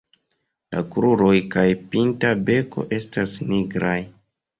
La kruroj kaj pinta beko estas nigraj.